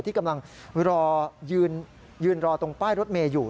ที่กำลังรอยืนรอตรงป้ายรถเมย์อยู่